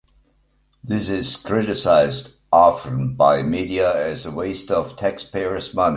This is criticized often by media as a waste of taxpayer's money.